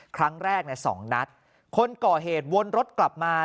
ครั้งแรกในสองนัดคนก่อเหตุวนรถกลับมา